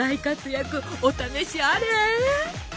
お試しあれ！